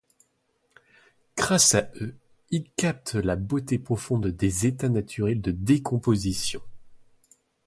Grâce à eux, il capte la beauté profonde des états naturels de décomposition.